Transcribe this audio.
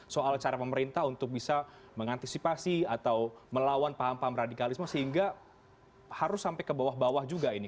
soal cara pemerintah untuk bisa mengantisipasi atau melawan paham paham radikalisme sehingga harus sampai ke bawah bawah juga ini